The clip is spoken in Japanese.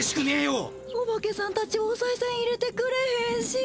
おばけさんたちおさいせん入れてくれへんし。